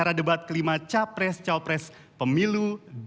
kita mulai acara debat kelima capres caupres pemilu dua ribu sembilan belas